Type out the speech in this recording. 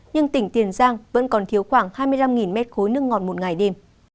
nhưng tỉnh tiền giang vẫn còn thiếu khoảng hai mươi năm m ba nước ngọt một ngày đêm